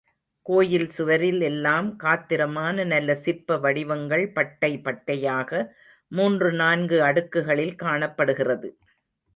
கோயில் சுவரில் எல்லாம் காத்திரமான நல்ல சிற்ப வடிவங்கள் பட்டை பட்டையாக மூன்று நான்கு அடுக்குகளில் காணப்படுகிறது.